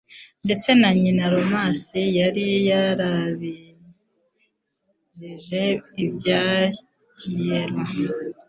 Ndetse na nyina wa Romas yari yarabajije ibya Kiera.